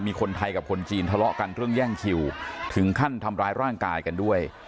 มีคนไทยกับคนจีนทะเลาะกันเรื่องแย่งคิวถึงขั้นทำร้ายร่างกายกันด้วย